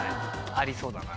ありそうだな。